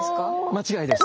間違いです！